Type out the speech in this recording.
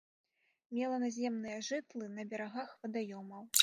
Мела наземныя жытлы на берагах вадаёмаў.